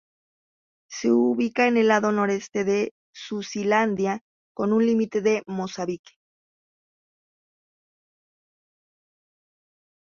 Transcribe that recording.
Se ubica en el lado noreste de Suazilandia con su límite con Mozambique.